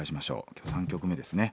今日３曲目ですね。